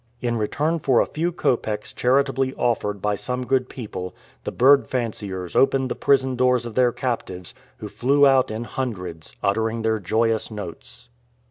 In return for a few copecks charitably offered by some good people, the bird fanciers opened the prison doors of their captives, who flew out in hundreds, uttering their joyous notes.